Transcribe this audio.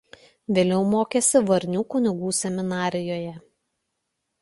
Vėliau mokėsi Varnių kunigų seminarijoje.